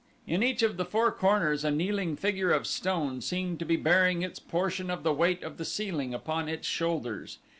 In each of the four corners a kneeling figure of stone seemed to be bearing its portion of the weight of the ceiling upon its shoulders.